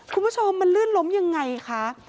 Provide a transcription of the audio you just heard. คุณผู้ชมมันลื่นล้มยังไงคะ